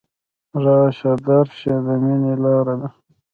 راشه درشه د ميني لاره ده